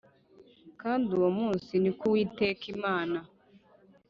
Kandi uwo munsi ni ko Uwiteka Imana